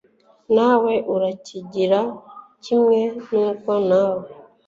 nawe urakigira kimwe n'uko nawe